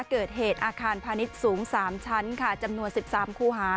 เกิดเหตุอาคารพาณิชย์สูง๓ชั้นค่ะจำนวน๑๓คู่หา